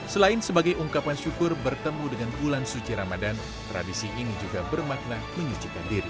selain sebagai ungkapan syukur bertemu dengan bulan suci ramadan tradisi ini juga bermakna menyucikan diri